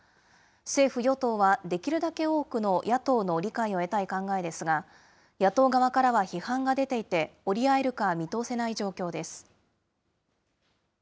政府・与党はできるだけ多くの野党の理解を得たい考えですが、野党側からは批判が出ていて、折り合えるか、見通せない状況です。